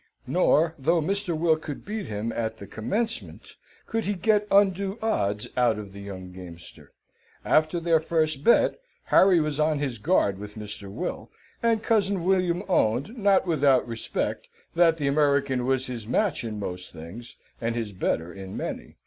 Nor, though Mr. Will could beat him at the commencement, could he get undue odds out of the young gamester. After their first bet, Harry was on his guard with Mr. Will, and cousin William owned, not without respect, that the American was his match in most things, and his better in many.